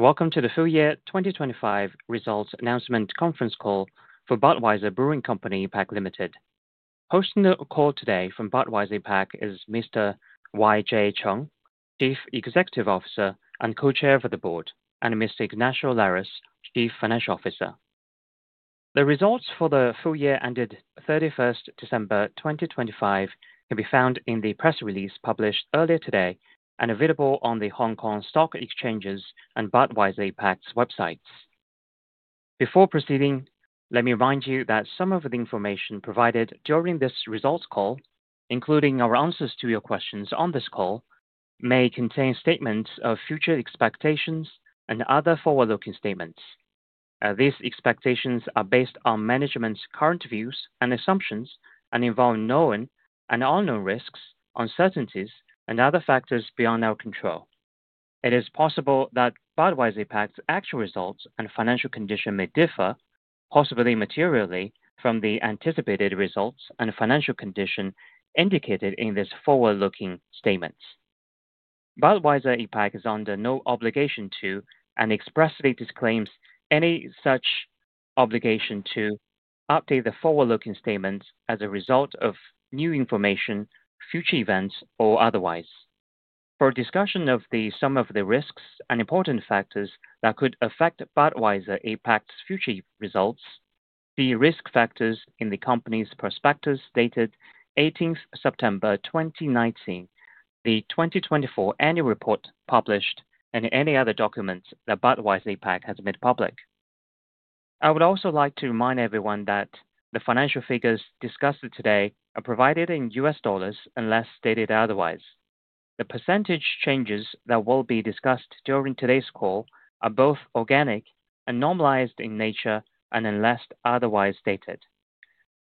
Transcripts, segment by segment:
Welcome to the full year 2025 results announcement conference call for Budweiser Brewing Company APAC Limited. Hosting the call today from Budweiser APAC is Mr. YJ Cheng, Chief Executive Officer and Co-Chair of the Board, and Mr. Ignacio Lares, Chief Financial Officer. The results for the full year ended 31 December 2025 can be found in the press release published earlier today and available on the Hong Kong Stock Exchange's and Budweiser APAC's websites. Before proceeding, let me remind you that some of the information provided during this results call, including our answers to your questions on this call, may contain statements of future expectations and other forward-looking statements. These expectations are based on management's current views and assumptions and involve known and unknown risks, uncertainties, and other factors beyond our control. It is possible that Budweiser APAC's actual results and financial condition may differ, possibly materially, from the anticipated results and financial condition indicated in this forward-looking statements. Budweiser APAC is under no obligation to, and expressly disclaims any such obligation to, update the forward-looking statements as a result of new information, future events, or otherwise. For a discussion of some of the risks and important factors that could affect Budweiser APAC's future results, see risk factors in the company's prospectus, dated 18 September 2019, the 2024 annual report published, and any other documents that Budweiser APAC has made public. I would also like to remind everyone that the financial figures discussed today are provided in U.S. dollars, unless stated otherwise. The percentage changes that will be discussed during today's call are both organic and normalized in nature, and unless otherwise stated.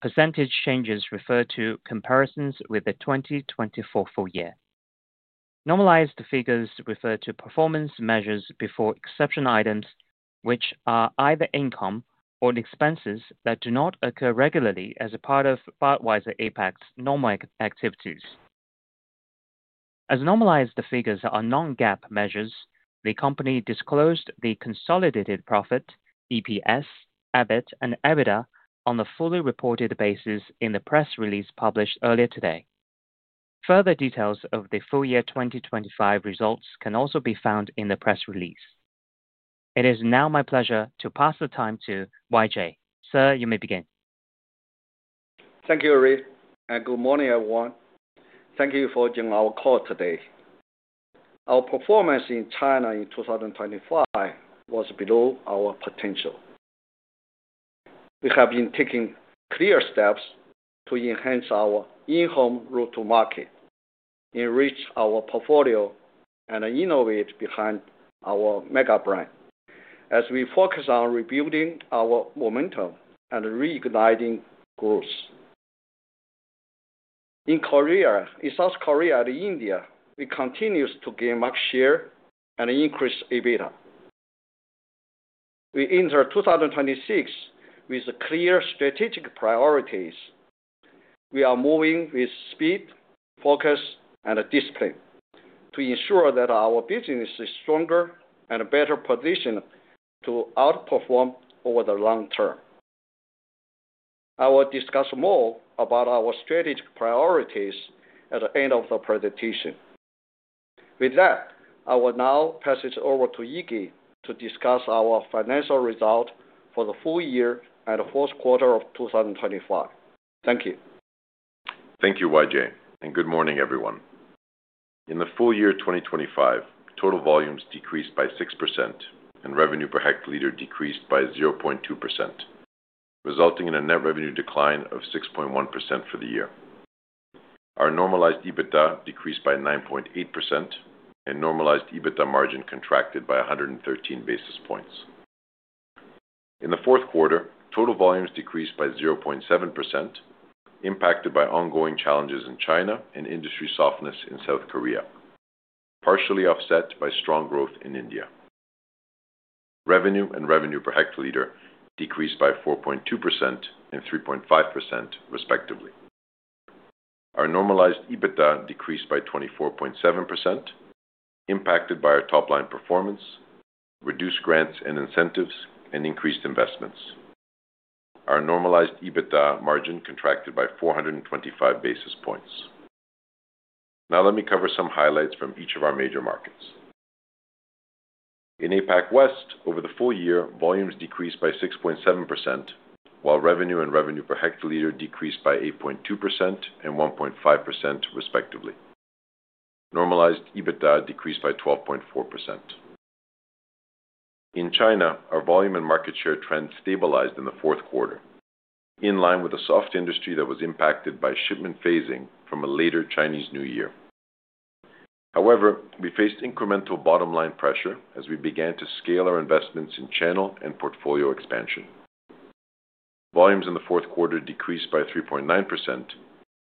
Percentage changes refer to comparisons with the 2024 full year. Normalized figures refer to performance measures before exception items, which are either income or expenses that do not occur regularly as a part of Budweiser APAC's normal activities. As normalized figures are non-GAAP measures, the company disclosed the consolidated profit, EPS, EBIT and EBITDA on the fully reported basis in the press release published earlier today. Further details of the full year 2025 results can also be found in the press release. It is now my pleasure to pass the time to YJ. Sir, you may begin. Thank you, Ari, and good morning, everyone. Thank you for joining our call today. Our performance in China in 2025 was below our potential. We have been taking clear steps to enhance our in-home go-to-market, enrich our portfolio, and innovate behind our mega brand as we focus on rebuilding our momentum and reigniting growth. In South Korea and India, we continues to gain market share and increase EBITDA. We enter 2026 with clear strategic priorities. We are moving with speed, focus, and discipline to ensure that our business is stronger and better positioned to outperform over the long term. I will discuss more about our strategic priorities at the end of the presentation. With that, I will now pass it over to Iggy to discuss our financial result for the full year and fourth quarter of 2025. Thank you. Thank you, YJ, and good morning, everyone. In the full year 2025, total volumes decreased by 6% and revenue per hectoliter decreased by 0.2%, resulting in a net revenue decline of 6.1% for the year. Our normalized EBITDA decreased by 9.8% and normalized EBITDA margin contracted by 113 basis points. In the fourth quarter, total volumes decreased by 0.7%, impacted by ongoing challenges in China and industry softness in South Korea, partially offset by strong growth in India. Revenue and revenue per hectoliter decreased by 4.2% and 3.5%, respectively. Our normalized EBITDA decreased by 24.7%, impacted by our top-line performance, reduced grants and incentives, and increased investments. Our normalized EBITDA margin contracted by 425 basis points. Now, let me cover some highlights from each of our major markets. In APAC West, over the full year, volumes decreased by 6.7%, while revenue and revenue per hectoliter decreased by 8.2% and 1.5%, respectively. Normalized EBITDA decreased by 12.4%. In China, our volume and market share trend stabilized in the fourth quarter, in line with a soft industry that was impacted by shipment phasing from a later Chinese New Year. However, we faced incremental bottom-line pressure as we began to scale our investments in channel and portfolio expansion. Volumes in the fourth quarter decreased by 3.9%,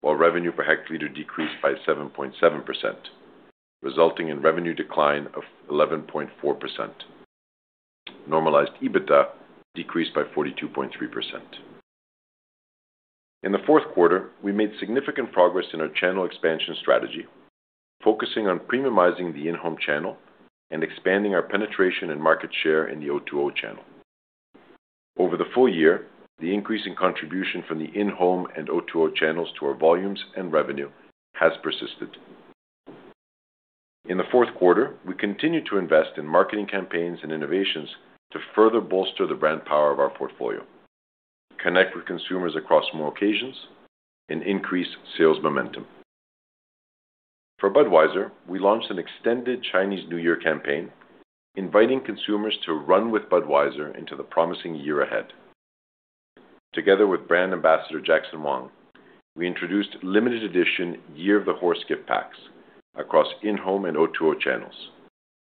while revenue per hectoliter decreased by 7.7%, resulting in revenue decline of 11.4%. Normalized EBITDA decreased by 42.3%. In the fourth quarter, we made significant progress in our channel expansion strategy, focusing on premiumizing the in-home channel and expanding our penetration and market share in the O2O channel. Over the full year, the increase in contribution from the in-home and O2O channels to our volumes and revenue has persisted. In the fourth quarter, we continued to invest in marketing campaigns and innovations to further bolster the brand power of our portfolio, connect with consumers across more occasions, and increase sales momentum. For Budweiser, we launched an extended Chinese New Year campaign, inviting consumers to run with Budweiser into the promising year ahead. Together with brand ambassador Jackson Wang, we introduced limited edition Year of the Horse gift packs across in-home and O2O channels,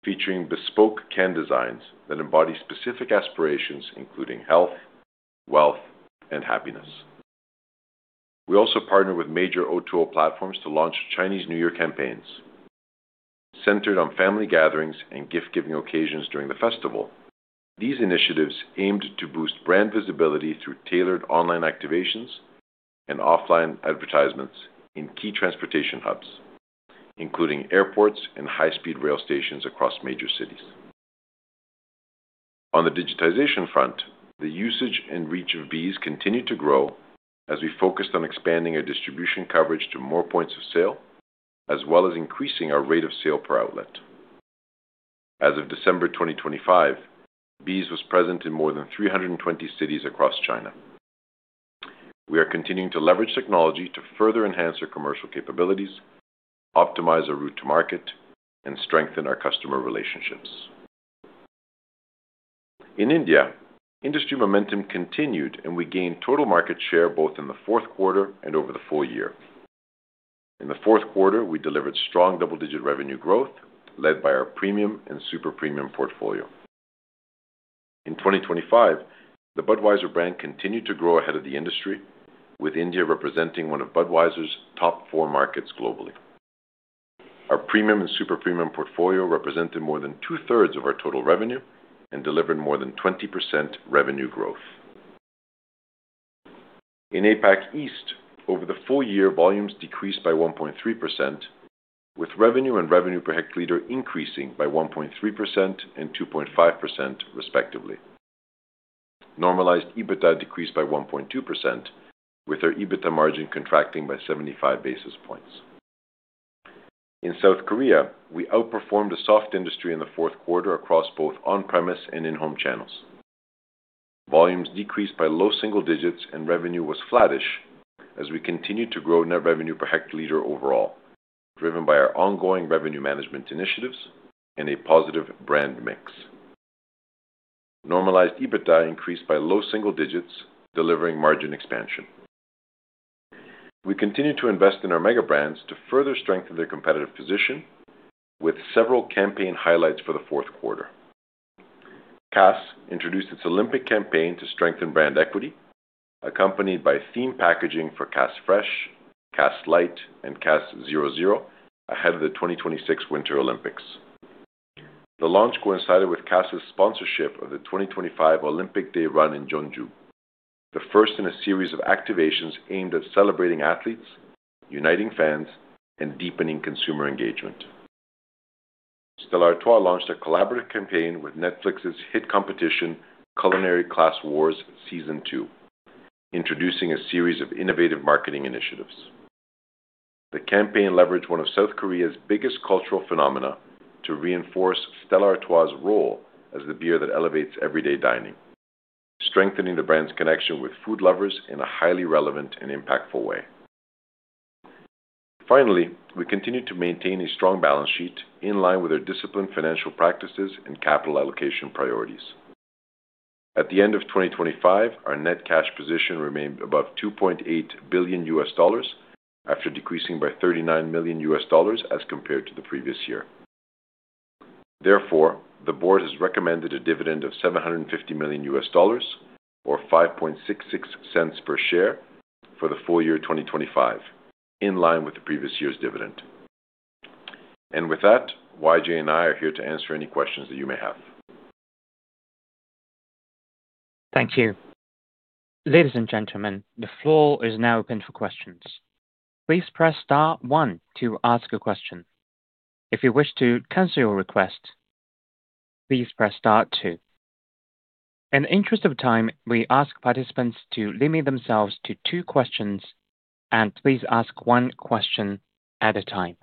featuring bespoke can designs that embody specific aspirations, including health, wealth, and happiness. We also partnered with major O2O platforms to launch Chinese New Year campaigns. Centered on family gatherings and gift-giving occasions during the festival, these initiatives aimed to boost brand visibility through tailored online activations and offline advertisements in key transportation hubs, including airports and high-speed rail stations across major cities. On the digitization front, the usage and reach of BEES continued to grow as we focused on expanding our distribution coverage to more points of sale, as well as increasing our rate of sale per outlet. As of December 2025, BEES was present in more than 320 cities across China. We are continuing to leverage technology to further enhance our commercial capabilities, optimize our route to market, and strengthen our customer relationships. In India, industry momentum continued, and we gained total market share both in the fourth quarter and over the full year. In the fourth quarter, we delivered strong double-digit revenue growth, led by our Premium and Super Premium portfolio. In 2025, the Budweiser brand continued to grow ahead of the industry, with India representing one of Budweiser's top four markets globally. Our Premium and Super Premium portfolio represented more than two-thirds of our total revenue and delivered more than 20% revenue growth. In APAC East, over the full year, volumes decreased by 1.3%, with revenue and revenue per hectoliter increasing by 1.3% and 2.5%, respectively. Normalized EBITDA decreased by 1.2%, with our EBITDA margin contracting by 75 basis points. In South Korea, we outperformed a soft industry in the fourth quarter across both on-premise and in-home channels. Volumes decreased by low single digits, and revenue was flattish as we continued to grow net revenue per hectoliter overall, driven by our ongoing revenue management initiatives and a positive brand mix. Normalized EBITDA increased by low single digits, delivering margin expansion. We continued to invest in our mega brands to further strengthen their competitive position with several campaign highlights for the fourth quarter. Cass introduced its Olympic campaign to strengthen brand equity, accompanied by themed packaging for Cass Fresh, Cass Light, and Cass 0.0 ahead of the 2026 Winter Olympics. The launch coincided with Cass's sponsorship of the 2025 Olympic Day Run in Jeonju, the first in a series of activations aimed at celebrating athletes, uniting fans, and deepening consumer engagement. Stella Artois launched a collaborative campaign with Netflix's hit competition, Culinary Class Wars, Season Two, introducing a series of innovative marketing initiatives. The campaign leveraged one of South Korea's biggest cultural phenomena to reinforce Stella Artois' role as the beer that elevates everyday dining, strengthening the brand's connection with food lovers in a highly relevant and impactful way. Finally, we continued to maintain a strong balance sheet in line with our disciplined financial practices and capital allocation priorities. At the end of 2025, our net cash position remained above $2.8 billion, after decreasing by $39 million as compared to the previous year. Therefore, the board has recommended a dividend of $750 million, or $0.0566 per share for the full year 2025, in line with the previous year's dividend. With that, YJ and I are here to answer any questions that you may have. Thank you. Ladies and gentlemen, the floor is now open for questions. Please press star one to ask a question. If you wish to cancel your request, please press star two. In the interest of time, we ask participants to limit themselves to two questions and please ask one question at a time.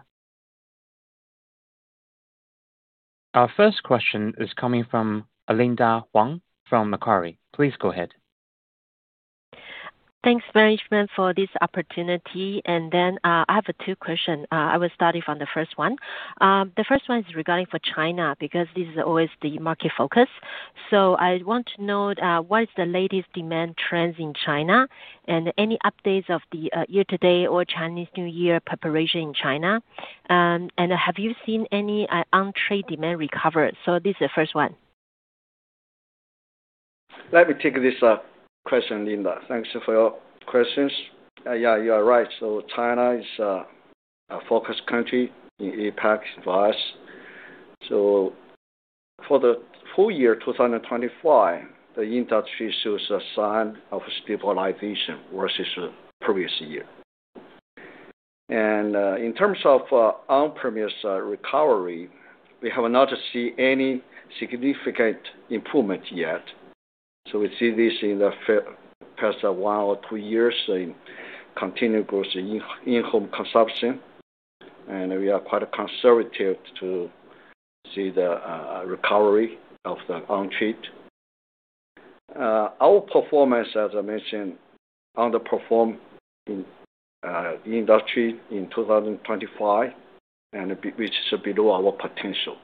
Our first question is coming from Linda Huang from Macquarie. Please go ahead. Thanks, management, for this opportunity. And then, I have a two question. I will start it from the first one. The first one is regarding for China, because this is always the market focus. So I want to know, what is the latest demand trends in China and any updates of the, year-to-date or Chinese New Year preparation in China? And have you seen any, on-trade demand recovery? So this is the first one. Let me take this question, Linda. Thanks for your questions. Yeah, you are right. So China is a focus country in APAC for us. So for the full year 2025, the industry shows a sign of stabilization versus the previous year. In terms of on-premise recovery, we have not seen any significant improvement yet. So we see this in the past one or two years in continued growth in in-home consumption, and we are quite conservative to see the recovery of the on-trade. Our performance, as I mentioned, underperformed in the industry in 2025, and which is below our potential.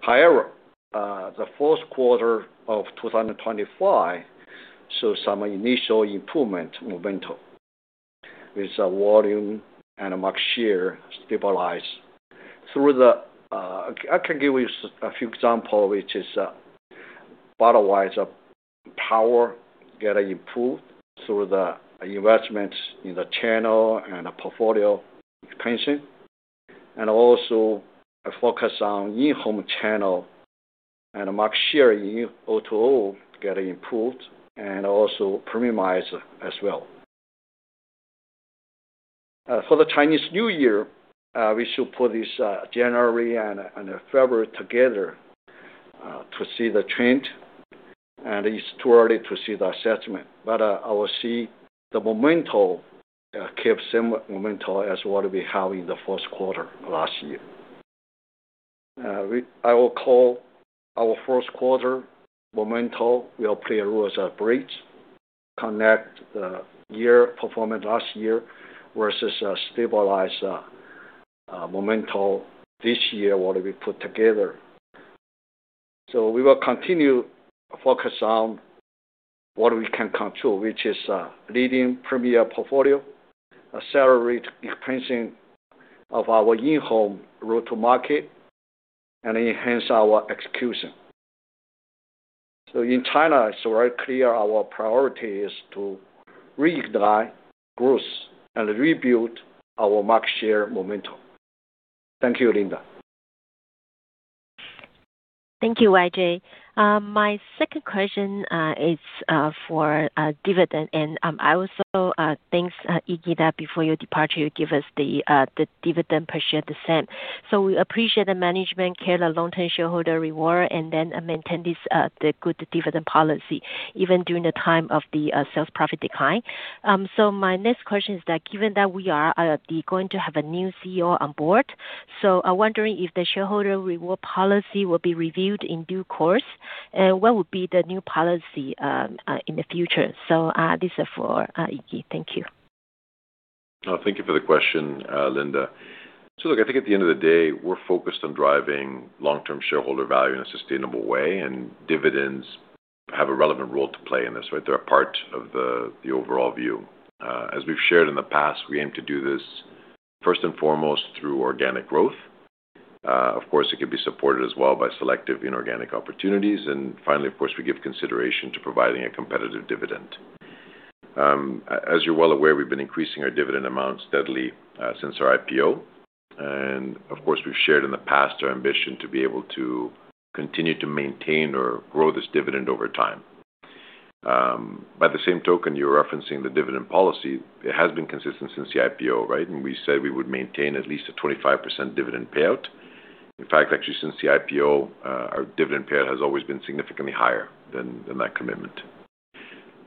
However, the fourth quarter of 2025 saw some initial improvement momentum with the volume and market share stabilize. Through the, I can give you a few example, which is, bottle wise, power get improved through the investment in the channel and the portfolio expansion, and also a focus on In-home channel and market share in O2O getting improved and also premiumized as well. For the Chinese New Year, we should put this January and February together to see the trend, and it's too early to see the assessment. But I will see the momentum keep same momentum as what we have in the first quarter last year. I will call our first quarter momentum will play a role as a bridge, connect the year performance last year versus a stabilized momentum this year, what we put together. So we will continue to focus on what we can control, which is leading premier portfolio, accelerate expansion of our in-home route to market, and enhance our execution. So in China, it's very clear our priority is to reignite growth and rebuild our market share momentum. Thank you, Linda. Thank you, YJ. My second question is for dividend. And I also thanks, Iggy, that before your departure, you give us the dividend per share guidance. So we appreciate the management care, the long-term shareholder reward, and then maintain this good dividend policy, even during the time of the sales profit decline. So my next question is that, given that we are going to have a new CEO on board, so I'm wondering if the shareholder reward policy will be reviewed in due course, and what would be the new policy in the future? So this is for Iggy. Thank you. Thank you for the question, Linda. So look, I think at the end of the day, we're focused on driving long-term shareholder value in a sustainable way, and dividends have a relevant role to play in this, right? They're a part of the overall view. As we've shared in the past, we aim to do this first and foremost through organic growth. Of course, it could be supported as well by selective inorganic opportunities. And finally, of course, we give consideration to providing a competitive dividend. As you're well aware, we've been increasing our dividend amounts steadily since our IPO. And of course, we've shared in the past our ambition to be able to continue to maintain or grow this dividend over time. By the same token, you're referencing the dividend policy. It has been consistent since the IPO, right? We said we would maintain at least a 25% dividend payout. In fact, actually, since the IPO, our dividend payout has always been significantly higher than, than that commitment.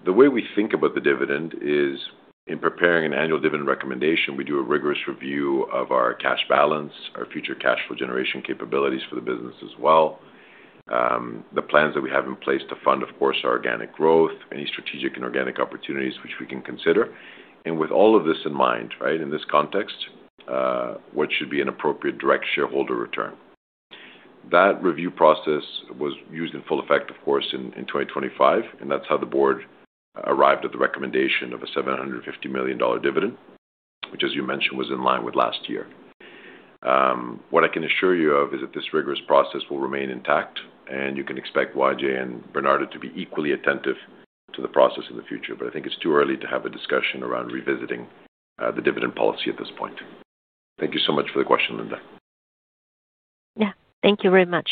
The way we think about the dividend is, in preparing an annual dividend recommendation, we do a rigorous review of our cash balance, our future cash flow generation capabilities for the business as well, the plans that we have in place to fund, of course, our organic growth, any strategic and organic opportunities which we can consider. And with all of this in mind, right, in this context, what should be an appropriate direct shareholder return? That review process was used in full effect, of course, in 2025, and that's how the board arrived at the recommendation of a $750 million dividend, which as you mentioned, was in line with last year. What I can assure you of is that this rigorous process will remain intact, and you can expect YJ and Bernardo to be equally attentive to the process in the future. But I think it's too early to have a discussion around revisiting the dividend policy at this point. Thank you so much for the question, Linda. Yeah. Thank you very much.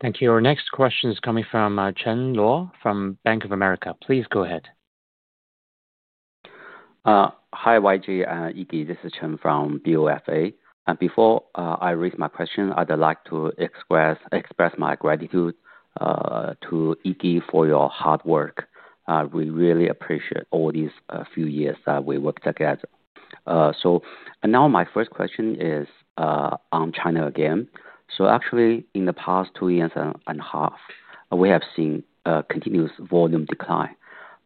Thank you. Our next question is coming from Chen Luo from Bank of America. Please go ahead. Hi, YJ and Iggy. This is Chen from BOFA. And before I raise my question, I'd like to express, express my gratitude to Iggy for your hard work. We really appreciate all these few years that we worked together. So and now my first question is on China again. So actually, in the past 2 years and a half, we have seen a continuous volume decline.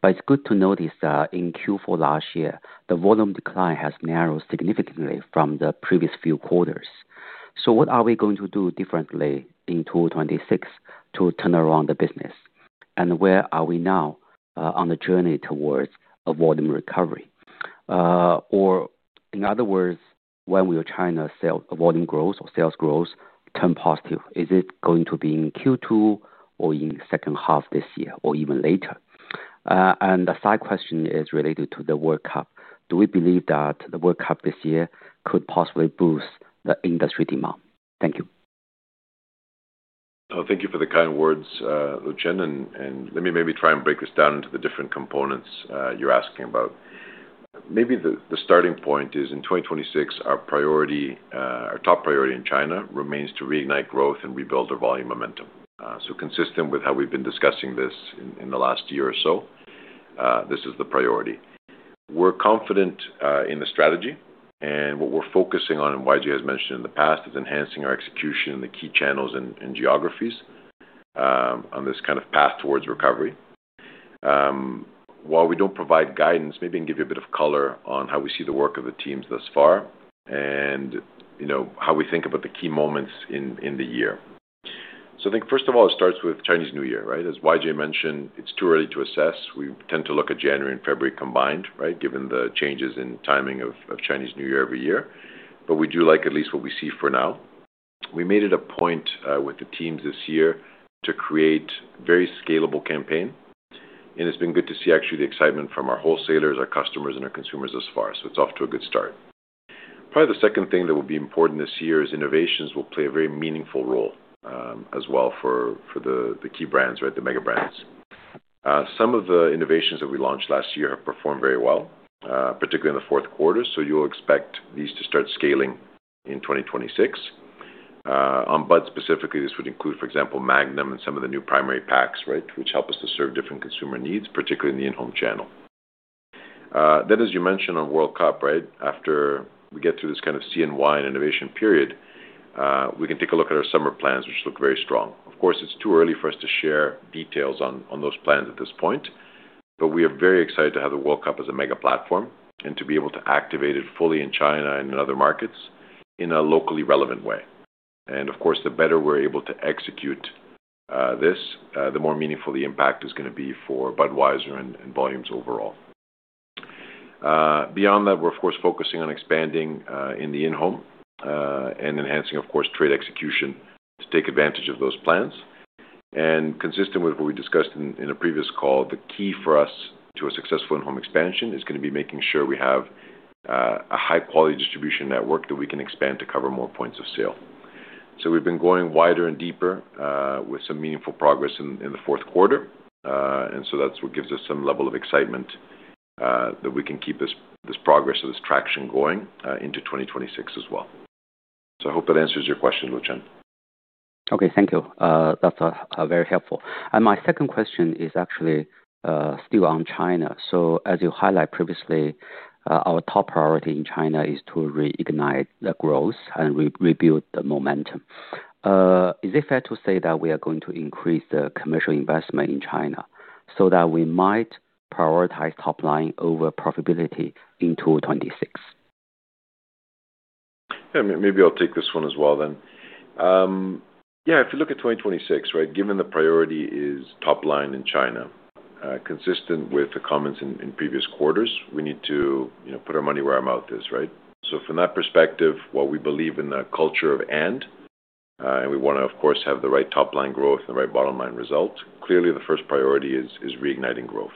But it's good to notice that in Q4 last year, the volume decline has narrowed significantly from the previous few quarters. So what are we going to do differently in 2026 to turn around the business? And where are we now on the journey towards a volume recovery? Or in other words, when will China volume growth or sales growth turn positive? Is it going to be in Q2 or in the second half this year, or even later? and the side question is related to the World Cup. Do we believe that the World Cup this year could possibly boost the industry demand? Thank you. Oh, thank you for the kind words, Lucian, and let me maybe try and break this down into the different components you're asking about. Maybe the starting point is in 2026, our priority, our top priority in China remains to reignite growth and rebuild our volume momentum. So consistent with how we've been discussing this in the last year or so, this is the priority. We're confident in the strategy and what we're focusing on, and YJ has mentioned in the past is enhancing our execution in the key channels and geographies on this kind of path towards recovery. While we don't provide guidance, maybe I can give you a bit of color on how we see the work of the teams thus far and, you know, how we think about the key moments in, in the year. So I think first of all, it starts with Chinese New Year, right? As YJ mentioned, it's too early to assess. We tend to look at January and February combined, right? Given the changes in timing of, of Chinese New Year every year. But we do like at least what we see for now. We made it a point, with the teams this year to create very scalable campaign, and it's been good to see actually the excitement from our wholesalers, our customers, and our consumers thus far. So it's off to a good start. Probably the second thing that will be important this year is innovations will play a very meaningful role, as well for, for the, the key brands, right, the mega brands. Some of the innovations that we launched last year have performed very well, particularly in the fourth quarter. So you'll expect these to start scaling in 2026. On Bud specifically, this would include, for example, Magnum and some of the new primary packs, right? Which help us to serve different consumer needs, particularly in the in-home channel. Then, as you mentioned on World Cup, right? After we get through this kind of CNY and innovation period, we can take a look at our summer plans, which look very strong. Of course, it's too early for us to share details on those plans at this point, but we are very excited to have the World Cup as a mega platform and to be able to activate it fully in China and in other markets in a locally relevant way. And of course, the better we're able to execute this, the more meaningful the impact is gonna be for Budweiser and volumes overall. Beyond that, we're of course focusing on expanding in the in-home and enhancing, of course, trade execution to take advantage of those plans. And consistent with what we discussed in a previous call, the key for us to a successful in-home expansion is gonna be making sure we have a high-quality distribution network that we can expand to cover more points of sale. So we've been going wider and deeper, with some meaningful progress in the fourth quarter. So that's what gives us some level of excitement, that we can keep this progress or this traction going into 2026 as well. So I hope that answers your question, Lucian. Okay, thank you. That's very helpful. And my second question is actually still on China. So as you highlight previously, our top priority in China is to reignite the growth and rebuild the momentum. Is it fair to say that we are going to increase the commercial investment in China so that we might prioritize top line over profitability in 2026? Yeah, maybe I'll take this one as well then. Yeah, if you look at 2026, right, given the priority is top line in China, consistent with the comments in previous quarters, we need to, you know, put our money where our mouth is, right? So from that perspective, while we believe in the culture of and, and we wanna, of course, have the right top line growth and the right bottom line result. Clearly, the first priority is reigniting growth.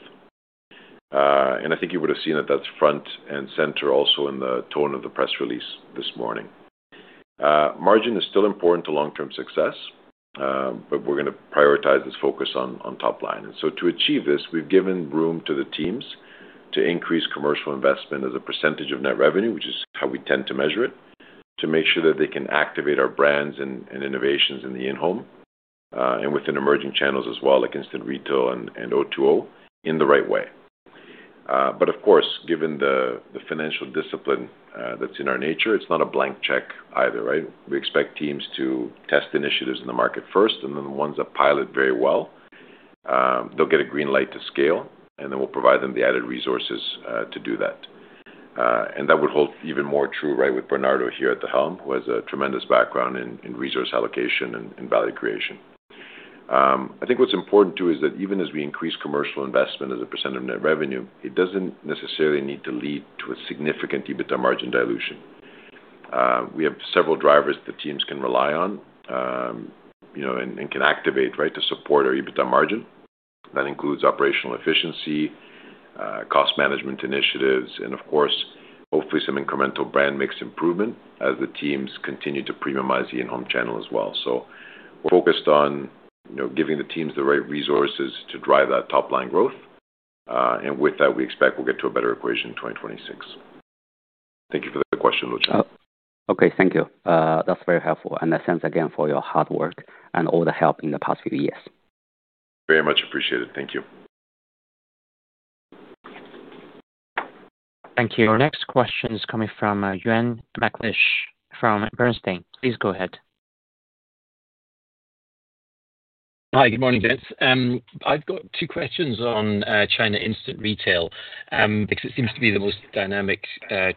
Margin is still important to long-term success, but we're gonna prioritize this focus on top line. So to achieve this, we've given room to the teams to increase commercial investment as a percentage of net revenue, which is how we tend to measure it, to make sure that they can activate our brands and innovations in the in-home and within emerging channels as well, like instant retail and O2O in the right way. But of course, given the financial discipline that's in our nature, it's not a blank check either, right? We expect teams to test initiatives in the market first, and then the ones that pilot very well, they'll get a green light to scale, and then we'll provide them the added resources to do that. And that would hold even more true, right, with Bernardo here at the helm, who has a tremendous background in resource allocation and value creation. I think what's important, too, is that even as we increase commercial investment as a percent of net revenue, it doesn't necessarily need to lead to a significant EBITDA margin dilution. We have several drivers the teams can rely on, you know, and, and can activate, right, to support our EBITDA margin. That includes operational efficiency, cost management initiatives, and of course, hopefully, some incremental brand mix improvement as the teams continue to premiumize the in-home channel as well. So we're focused on, you know, giving the teams the right resources to drive that top-line growth. And with that, we expect we'll get to a better equation in 2026. Thank you for the question, Lucian. Okay, thank you. That's very helpful. Thanks again for your hard work and all the help in the past few years. Very much appreciated. Thank you. Thank you. Our next question is coming from Euan McLeish, from Bernstein. Please go ahead. Hi, good morning, gents. I've got two questions on China instant retail, because it seems to be the most dynamic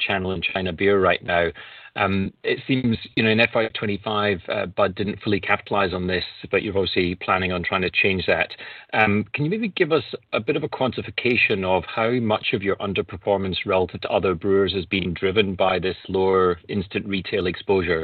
channel in China beer right now. It seems, you know, in FY 25, Bud didn't fully capitalize on this, but you're obviously planning on trying to change that. Can you maybe give us a bit of a quantification of how much of your underperformance relative to other brewers is being driven by this lower instant retail exposure?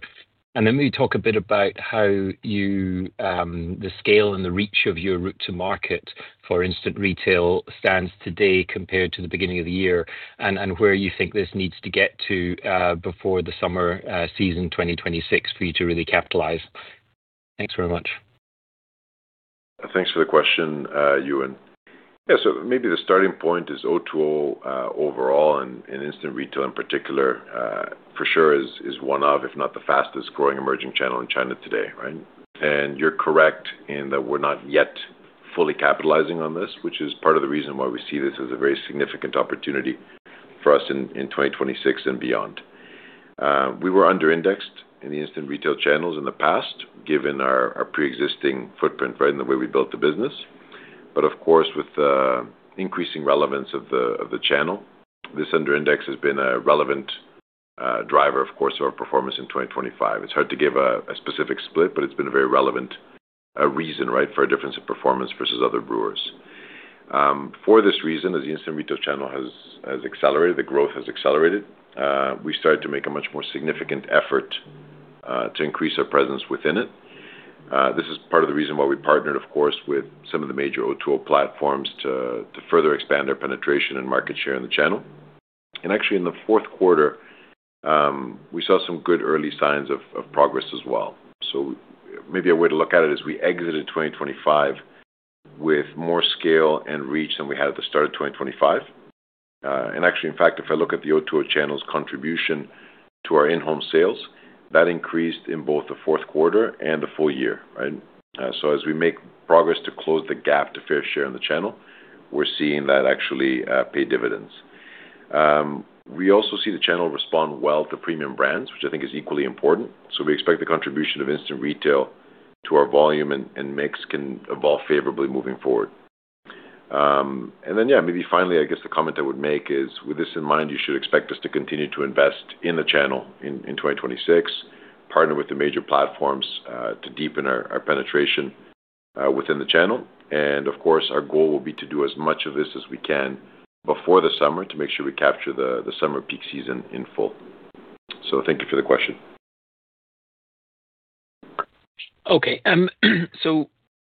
And then maybe talk a bit about how you, the scale and the reach of your route to market for instant retail stands today compared to the beginning of the year, and where you think this needs to get to, before the summer season 2026 for you to really capitalize. Thanks very much. Thanks for the question, Euan. Yeah, so maybe the starting point is O2O, overall, and instant retail in particular, for sure, is one of, if not the fastest growing emerging channel in China today, right? And you're correct in that we're not yet fully capitalizing on this, which is part of the reason why we see this as a very significant opportunity for us in 2026 and beyond. We were under-indexed in the instant retail channels in the past, given our pre-existing footprint, right, in the way we built the business. But of course, with the increasing relevance of the channel, this under-index has been a relevant driver, of course, our performance in 2025. It's hard to give a specific split, but it's been a very relevant reason, right, for a difference in performance versus other brewers. For this reason, as the instant retail channel has accelerated, the growth has accelerated, we started to make a much more significant effort to increase our presence within it. This is part of the reason why we partnered, of course, with some of the major O2O platforms to further expand our penetration and market share in the channel. And actually, in the fourth quarter, we saw some good early signs of progress as well. So maybe a way to look at it is we exited 2025 with more scale and reach than we had at the start of 2025. And actually, in fact, if I look at the O2O channels contribution to our in-home sales, that increased in both the fourth quarter and the full year, right? So as we make progress to close the gap to fair share in the channel, we're seeing that actually pay dividends. We also see the channel respond well to premium brands, which I think is equally important. So we expect the contribution of instant retail to our volume and mix can evolve favorably moving forward. And then, yeah, maybe finally, I guess the comment I would make is, with this in mind, you should expect us to continue to invest in the channel in 2026, partner with the major platforms to deepen our penetration within the channel. Of course, our goal will be to do as much of this as we can before the summer to make sure we capture the summer peak season in full. Thank you for the question. Okay, so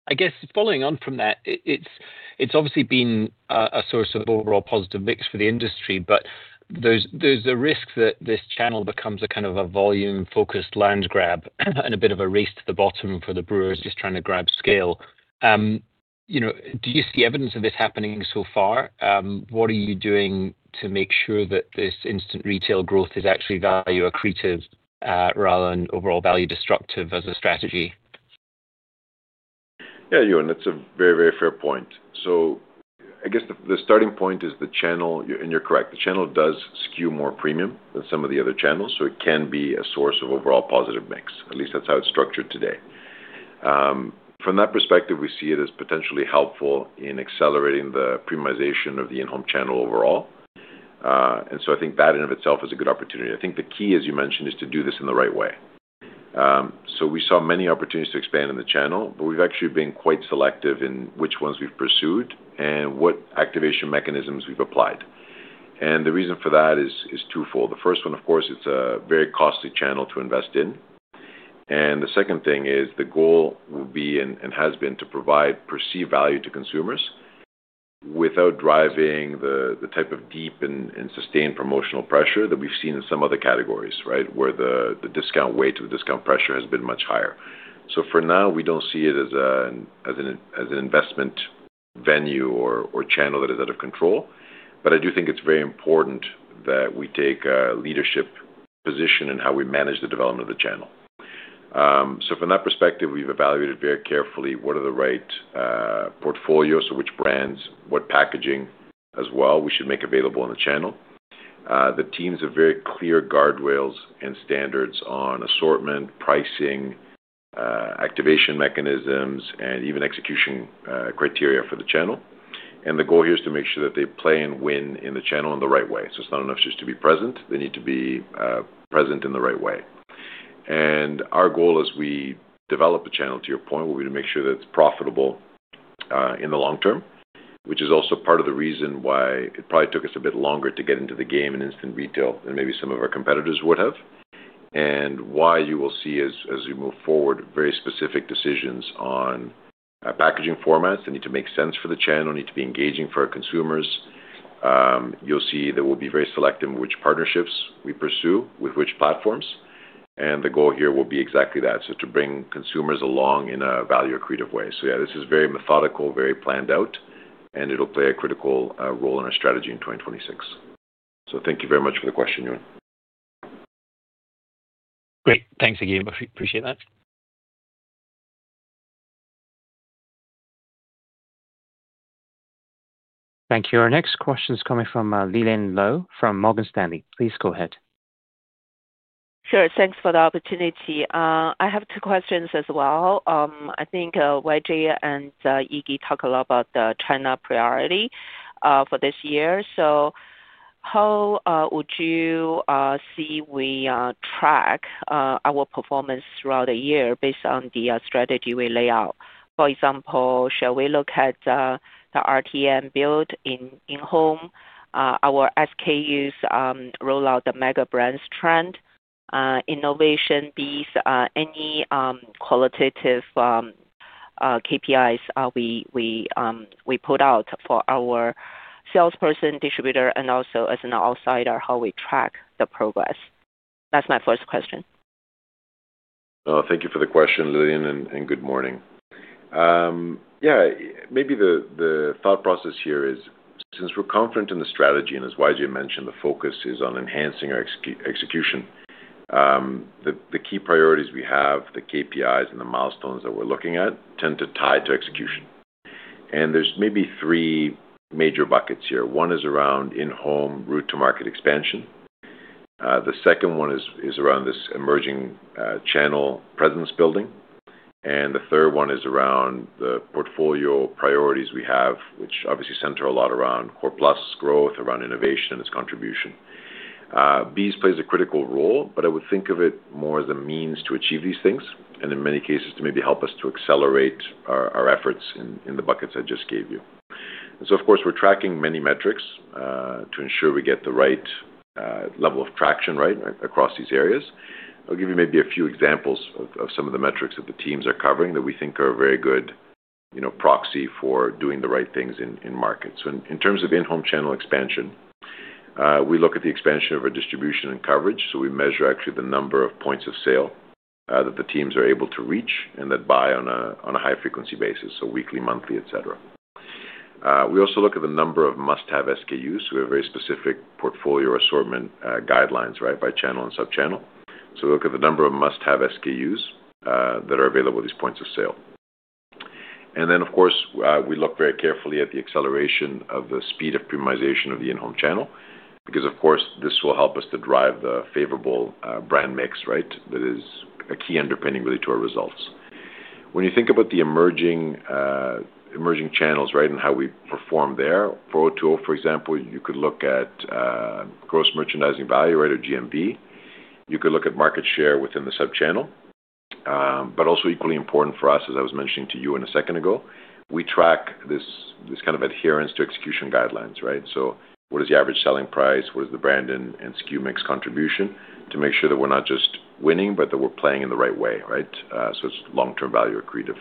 I guess following on from that, it's obviously been a source of overall positive mix for the industry, but there's a risk that this channel becomes a kind of a volume-focused land grab and a bit of a race to the bottom for the brewers just trying to grab scale. You know, do you see evidence of this happening so far? What are you doing to make sure that this instant retail growth is actually value accretive rather than overall value destructive as a strategy? Yeah, Euan, that's a very, very fair point. So I guess the starting point is the channel, and you're correct, the channel does skew more premium than some of the other channels, so it can be a source of overall positive mix. At least that's how it's structured today. From that perspective, we see it as potentially helpful in accelerating the premiumization of the in-home channel overall. And so I think that in and of itself is a good opportunity. I think the key, as you mentioned, is to do this in the right way. So we saw many opportunities to expand in the channel, but we've actually been quite selective in which ones we've pursued and what activation mechanisms we've applied. The reason for that is twofold. The first one, of course, it's a very costly channel to invest in. And the second thing is the goal will be, and has been, to provide perceived value to consumers without driving the type of deep and sustained promotional pressure that we've seen in some other categories, right? Where the discount weight or the discount pressure has been much higher. So for now, we don't see it as an investment venue or channel that is out of control. But I do think it's very important that we take a leadership position in how we manage the development of the channel. So from that perspective, we've evaluated very carefully what are the right portfolios, so which brands, what packaging as well, we should make available on the channel. The teams have very clear guardrails and standards on assortment, pricing, activation mechanisms, and even execution criteria for the channel. The goal here is to make sure that they play and win in the channel in the right way. So it's not enough just to be present. They need to be present in the right way. And our goal as we develop the channel, to your point, will be to make sure that it's profitable in the long term, which is also part of the reason why it probably took us a bit longer to get into the game in instant retail than maybe some of our competitors would have. And why you will see as, as we move forward, very specific decisions on packaging formats. They need to make sense for the channel, need to be engaging for our consumers. You'll see that we'll be very selective in which partnerships we pursue, with which platforms, and the goal here will be exactly that. So to bring consumers along in a value-accretive way. So yeah, this is very methodical, very planned out, and it'll play a critical role in our strategy in 2026. So thank you very much for the question, Euan. Great. Thanks again. Appreciate that. Thank you. Our next question is coming from Lilian Lou from Morgan Stanley. Please go ahead. Sure. Thanks for the opportunity. I have two questions as well. I think YJ and Iggy talk a lot about the China priority for this year. So how would you see we track our performance throughout the year based on the strategy we lay out? For example, shall we look at the RTM build in in-home our SKUs, roll out the mega brands trend, innovation, these any qualitative KPIs we put out for our salesperson, distributor, and also as an outsider, how we track the progress? That's my first question. Thank you for the question, Lilian, and good morning. Yeah, maybe the thought process here is, since we're confident in the strategy, and as YJ mentioned, the focus is on enhancing our execution, the key priorities we have, the KPIs and the milestones that we're looking at, tend to tie to execution. There's maybe three major buckets here. One is around in-home route to market expansion. The second one is around this emerging channel presence building. And the third one is around the portfolio priorities we have, which obviously center a lot around core plus growth, around innovation and its contribution. BEES plays a critical role, but I would think of it more as a means to achieve these things, and in many cases, to maybe help us to accelerate our, our efforts in, in the buckets I just gave you. So of course, we're tracking many metrics, to ensure we get the right, level of traction right, across these areas. I'll give you maybe a few examples of, of some of the metrics that the teams are covering that we think are a very good, you know, proxy for doing the right things in, in markets. So in, in terms of in-home channel expansion, we look at the expansion of our distribution and coverage, so we measure actually the number of points of sale, that the teams are able to reach and that buy on a, on a high-frequency basis, so weekly, monthly, et cetera. We also look at the number of must-have SKUs. We have very specific portfolio assortment guidelines, right, by channel and sub-channel. So we look at the number of must-have SKUs that are available at these points of sale. And then, of course, we look very carefully at the acceleration of the speed of premiumization of the in-home channel, because, of course, this will help us to drive the favorable brand mix, right? That is a key underpinning really to our results. When you think about the emerging channels, right, and how we perform there, for O2O, for example, you could look at gross merchandise value or GMV. You could look at market share within the sub-channel, but also equally important for us, as I was mentioning to you in a second ago, we track this, this kind of adherence to execution guidelines, right? So what is the average selling price? What is the brand and, and SKU mix contribution? To make sure that we're not just winning, but that we're playing in the right way, right? So it's long-term value accretive.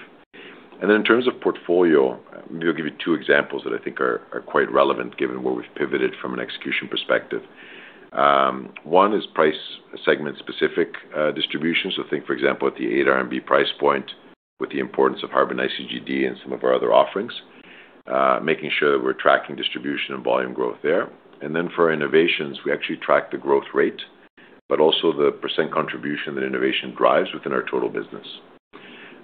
And then in terms of portfolio, maybe I'll give you two examples that I think are, are quite relevant given where we've pivoted from an execution perspective. One is price segment-specific, distribution. So think, for example, at the 8 RMB price point, with the importance of Harbin Ice and some of our other offerings, making sure that we're tracking distribution and volume growth there. Then for innovations, we actually track the growth rate, but also the percent contribution that innovation drives within our total business.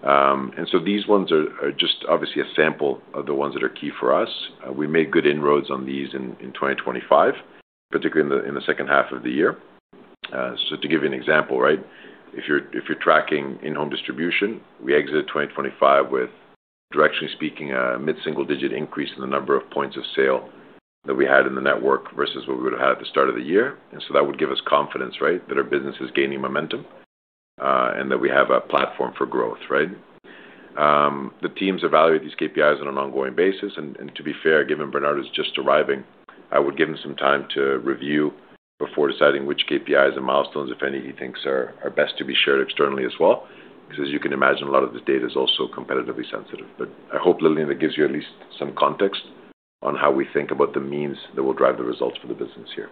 And so these ones are just obviously a sample of the ones that are key for us. We made good inroads on these in 2025, particularly in the second half of the year. So to give you an example, right? If you're tracking in-home distribution, we exited 2025 with, directionally speaking, a mid-single-digit increase in the number of points of sale that we had in the network versus what we would have had at the start of the year. And so that would give us confidence, right, that our business is gaining momentum, and that we have a platform for growth, right? The teams evaluate these KPIs on an ongoing basis, and to be fair, given Bernardo is just arriving, I would give him some time to review before deciding which KPIs and milestones, if any, he thinks are best to be shared externally as well. Because as you can imagine, a lot of this data is also competitively sensitive. But I hope, Lilian, that gives you at least some context on how we think about the means that will drive the results for the business here.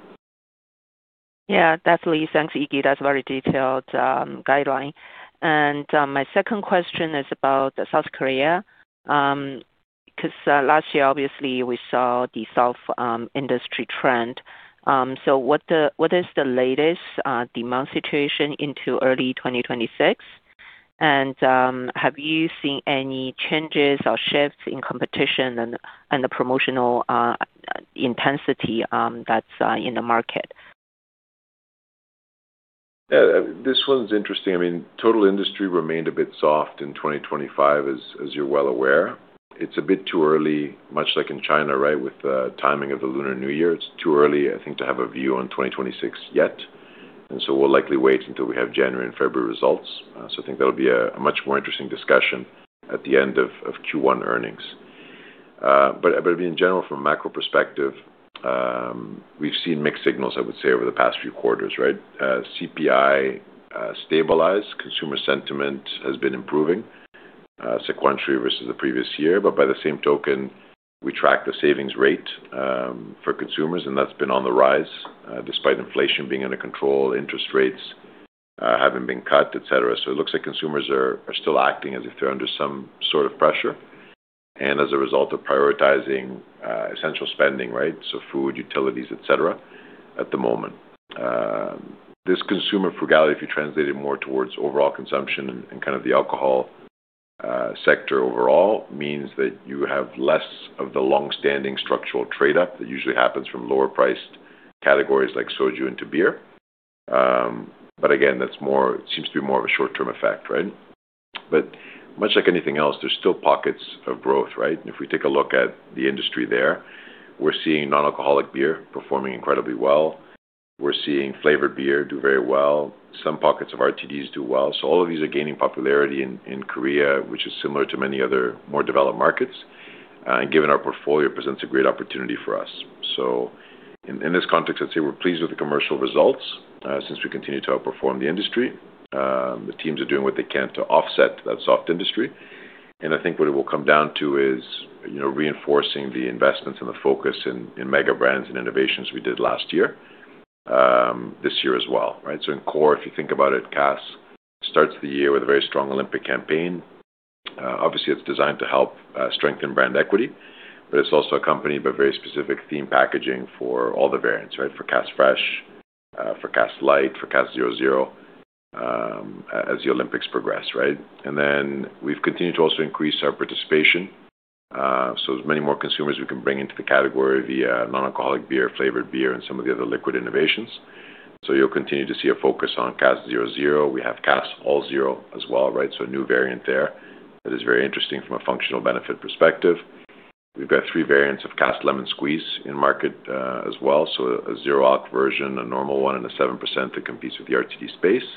Yeah, definitely. Thanks, Iggy. That's a very detailed guideline. My second question is about South Korea because last year, obviously, we saw the South industry trend. So what is the latest demand situation into early 2026? And have you seen any changes or shifts in competition and the promotional intensity that's in the market? This one's interesting. I mean, total industry remained a bit soft in 2025, as you're well aware. It's a bit too early, much like in China, right, with the timing of the Lunar New Year. It's too early, I think, to have a view on 2026 yet, and so we'll likely wait until we have January and February results. So I think that'll be a much more interesting discussion at the end of Q1 earnings. But in general, from a macro perspective, we've seen mixed signals, I would say, over the past few quarters, right? CPI stabilized, consumer sentiment has been improving sequentially versus the previous year. But by the same token, we track the savings rate for consumers, and that's been on the rise despite inflation being under control, interest rates haven't been cut, et cetera. So it looks like consumers are still acting as if they're under some sort of pressure, and as a result of prioritizing essential spending, right? So food, utilities, et cetera, at the moment. This consumer frugality, if you translate it more towards overall consumption and kind of the alcohol sector overall, means that you have less of the long-standing structural trade-up that usually happens from lower-priced categories like soju into beer. But again, that's more seems to be more of a short-term effect, right? But much like anything else, there's still pockets of growth, right? If we take a look at the industry there, we're seeing non-alcoholic beer performing incredibly well. We're seeing flavored beer do very well. Some pockets of RTDs do well. So all of these are gaining popularity in Korea, which is similar to many other more developed markets, and given our portfolio presents a great opportunity for us. So in this context, I'd say we're pleased with the commercial results, since we continue to outperform the industry. The teams are doing what they can to offset that soft industry. And I think what it will come down to is, you know, reinforcing the investments and the focus in mega brands and innovations we did last year, this year as well, right? So in core, if you think about it, Cass starts the year with a very strong Olympic campaign. Obviously, it's designed to help strengthen brand equity, but it's also accompanied by very specific theme packaging for all the variants, right? For Cass Fresh, for Cass Light, for Cass 0.0, as the Olympics progress, right? And then we've continued to also increase our participation, so as many more consumers we can bring into the category via non-alcoholic beer, flavored beer, and some of the other liquid innovations. So you'll continue to see a focus on Cass 0.0. We have Cass All Zero as well, right? So a new variant there. That is very interesting from a functional benefit perspective. We've got three variants of Cass Lemon Squeeze in market, as well, so a zero alc version, a normal one, and a 7% that competes with the RTD space.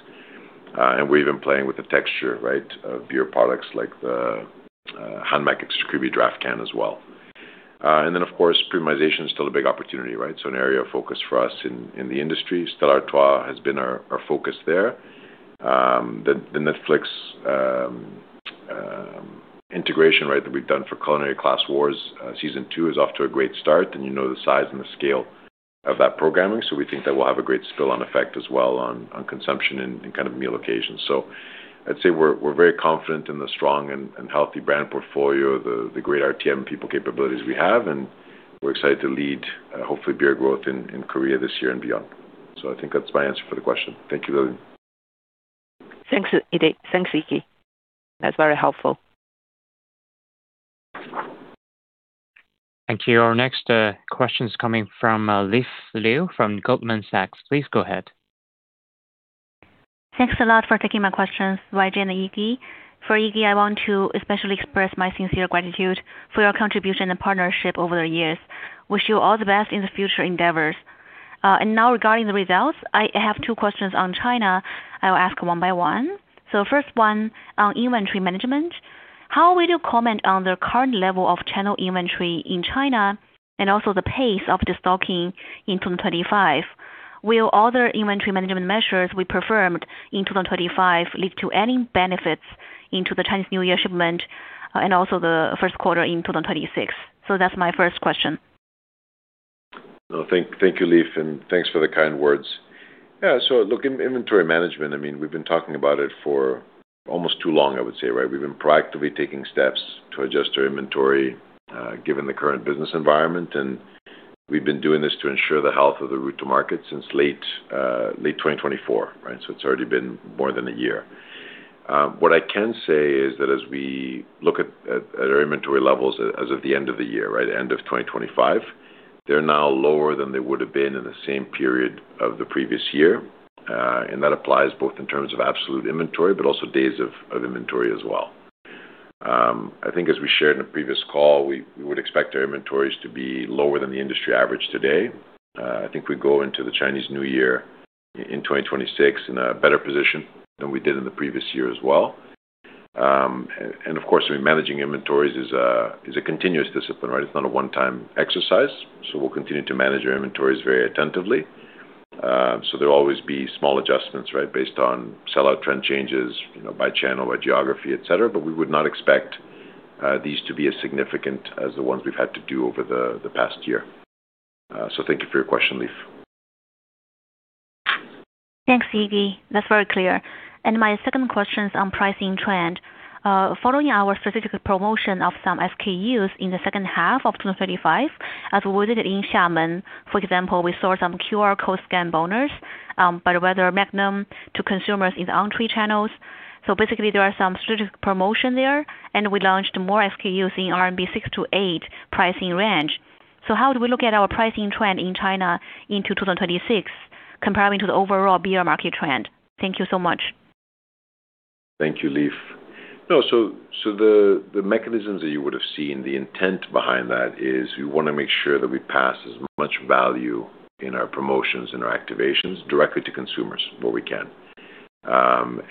And we've been playing with the texture, right, of beer products like the HANMAC Extra Creamy Draft Can as well. And then, of course, premiumization is still a big opportunity, right? So an area of focus for us in the industry. Stella Artois has been our focus there. The Netflix integration, right, that we've done for Culinary Class Wars, Season Two is off to a great start, and you know, the size and the scale of that programming. So we think that we'll have a great spill-on effect as well on consumption and kind of meal occasions. So I'd say we're very confident in the strong and healthy brand portfolio, the great RTM people capabilities we have, and we're excited to lead, hopefully, beer growth in Korea this year and beyond. I think that's my answer for the question. Thank you, Lily. Thanks, Eddie. Thanks, Iggy. That's very helpful. Thank you. Our next question is coming from Leaf Liu from Goldman Sachs. Please go ahead. Thanks a lot for taking my questions, YJ and Iggy. For Iggy, I want to especially express my sincere gratitude for your contribution and partnership over the years. Wish you all the best in the future endeavors. And now regarding the results, I have two questions on China. I'll ask one by one. So first one, on inventory management, how would you comment on the current level of channel inventory in China and also the pace of the stocking in 2025? Will other inventory management measures we performed in 2025 lead to any benefits into the Chinese New Year shipment and also the first quarter in 2026? So that's my first question. Well, thank, thank you, Leaf, and thanks for the kind words. Yeah, so look, inventory management, I mean, we've been talking about it for almost too long, I would say, right? We've been proactively taking steps to adjust our inventory, given the current business environment, and we've been doing this to ensure the health of the route to market since late 2024, right? So it's already been more than a year. What I can say is that as we look at our inventory levels as of the end of the year, right, end of 2025, they're now lower than they would have been in the same period of the previous year. And that applies both in terms of absolute inventory, but also days of inventory as well. I think as we shared in a previous call, we would expect our inventories to be lower than the industry average today. I think we go into the Chinese New Year in 2026 in a better position than we did in the previous year as well. And of course, we're managing inventories is a continuous discipline, right? It's not a one-time exercise, so we'll continue to manage our inventories very attentively. So there'll always be small adjustments, right, based on sell-out trend changes, you know, by channel, by geography, et cetera, but we would not expect these to be as significant as the ones we've had to do over the past year. So thank you for your question, Leaf. Thanks, Iggy. That's very clear. My second question is on pricing trend. Following our strategic promotion of some SKUs in the second half of 2025, as we visited in Xiamen, for example, we saw some QR code scan bonus, but whether Magnum to consumers in the on-trade channels. Basically, there are some strategic promotion there, and we launched more SKUs in RMB 6-8 pricing range. How do we look at our pricing trend in China into 2026, comparing to the overall beer market trend? Thank you so much. Thank you, Leaf. No, the mechanisms that you would have seen, the intent behind that is we wanna make sure that we pass as much value in our promotions and our activations directly to consumers where we can.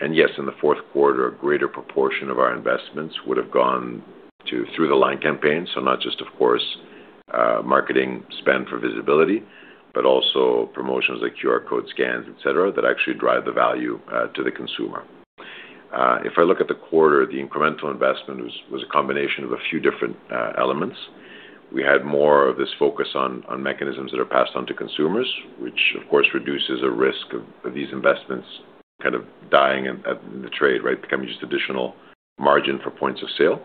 And yes, in the fourth quarter, a greater proportion of our investments would have gone to through the line campaign. So not just, of course, marketing spend for visibility, but also promotions like QR code scans, et cetera, that actually drive the value to the consumer. If I look at the quarter, the incremental investment was a combination of a few different elements. We had more of this focus on mechanisms that are passed on to consumers, which of course, reduces a risk of these investments kind of dying at the trade, right? Becoming just additional margin for points of sale.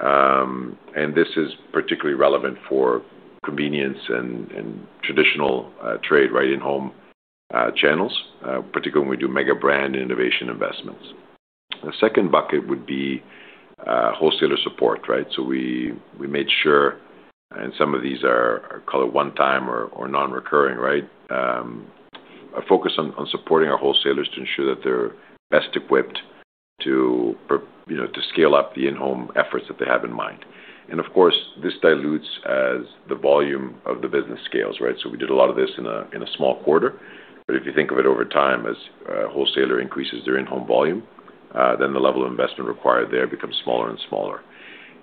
And this is particularly relevant for convenience and traditional trade, right, in-home channels, particularly when we do mega brand innovation investments. The second bucket would be wholesaler support, right? So we made sure, and some of these are called a one-time or non-recurring, right? A focus on supporting our wholesalers to ensure that they're best equipped to, you know, to scale up the in-home efforts that they have in mind. And of course, this dilutes as the volume of the business scales, right? So we did a lot of this in a small quarter, but if you think of it over time, as a wholesaler increases their in-home volume, then the level of investment required there becomes smaller and smaller.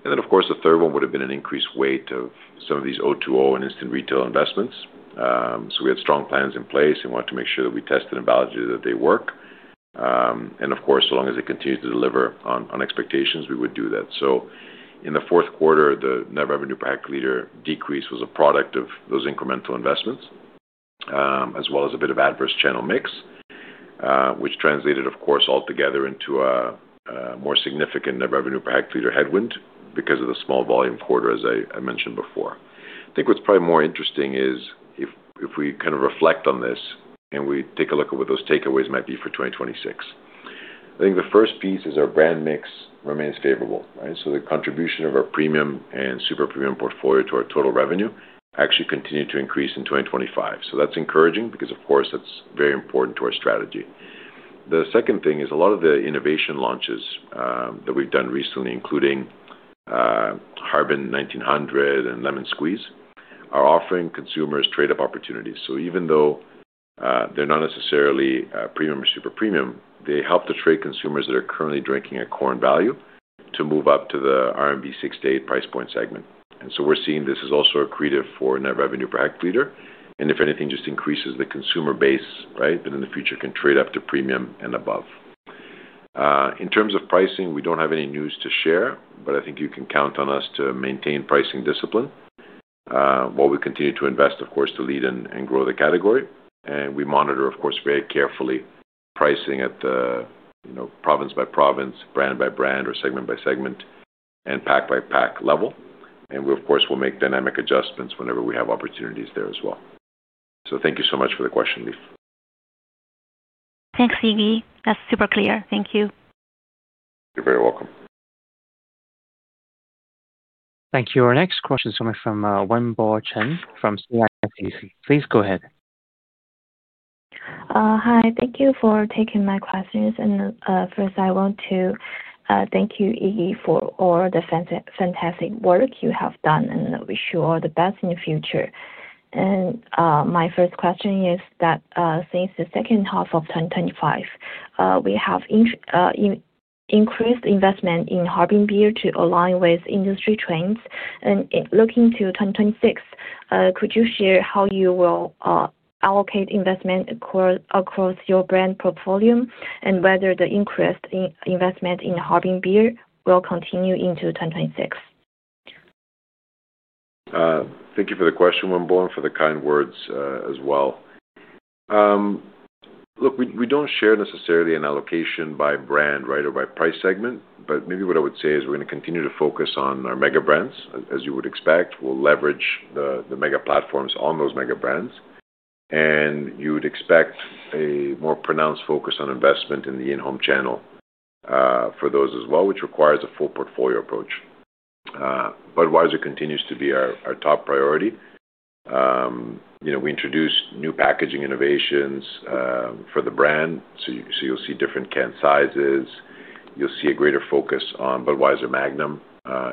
Then, of course, the third one would have been an increased weight of some of these O2O and instant retail investments. We had strong plans in place and wanted to make sure that we tested and validated that they work. Of course, so long as they continue to deliver on expectations, we would do that. In the fourth quarter, the net revenue per hectoliter decrease was a product of those incremental investments, as well as a bit of adverse channel mix, which translated, of course, altogether into a more significant net revenue per hectoliter headwind because of the small volume quarter, as I mentioned before. I think what's probably more interesting is if we kind of reflect on this and we take a look at what those takeaways might be for 2026. I think the first piece is our brand mix remains favorable, right? So the contribution of our premium and super premium portfolio to our total revenue actually continued to increase in 2025. So that's encouraging because of course, that's very important to our strategy. The second thing is a lot of the innovation launches that we've done recently, including Harbin 1900 and Lemon Squeeze, are offering consumers trade-up opportunities. So even though they're not necessarily premium or super premium, they help to trade consumers that are currently drinking at core and value to move up to the RMB 6-8 price point segment. And so we're seeing this is also accretive for net revenue per hectoliter, and if anything, just increases the consumer base, right? That in the future can trade up to premium and above. In terms of pricing, we don't have any news to share, but I think you can count on us to maintain pricing discipline, while we continue to invest, of course, to lead and grow the category. We monitor, of course, very carefully pricing at the, you know, province by province, brand by brand or segment by segment and pack by pack level. We, of course, will make dynamic adjustments whenever we have opportunities there as well. So thank you so much for the question, Leaf. Thanks, Iggy. That's super clear. Thank you. You're very welcome. Thank you. Our next question is coming from Wenbo Chen from CICC. Please go ahead. Hi, thank you for taking my questions. First, I want to thank you, Iggy, for all the fantastic work you have done, and wish you all the best in the future. My first question is that since the second half of 2025, we have increased investment in Harbin beer to align with industry trends. Looking to 2026, could you share how you will allocate investment across your brand portfolio and whether the increased investment in Harbin beer will continue into 2026? Thank you for the question, Wenbo, and for the kind words, as well. Look, we don't share necessarily an allocation by brand, right, or by price segment, but maybe what I would say is we're going to continue to focus on our mega brands. As you would expect, we'll leverage the mega platforms on those mega brands, and you would expect a more pronounced focus on investment in the in-home channel, for those as well, which requires a full portfolio approach. Budweiser continues to be our top priority. You know, we introduced new packaging innovations, for the brand. So you, you'll see different can sizes, you'll see a greater focus on Budweiser Magnum,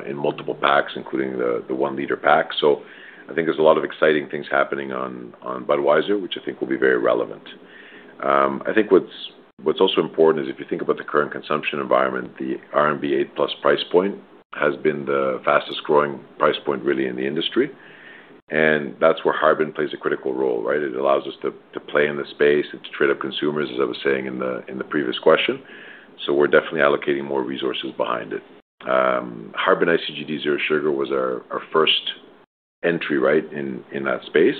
in multiple packs, including the 1-liter pack. So I think there's a lot of exciting things happening on Budweiser, which I think will be very relevant. I think what's also important is if you think about the current consumption environment, the RMB 8+ price point has been the fastest growing price point, really, in the industry. And that's where Harbin plays a critical role, right? It allows us to play in the space and to trade up consumers, as I was saying in the previous question. So we're definitely allocating more resources behind it. Harbin Ice zero sugar was our first entry, right, in that space.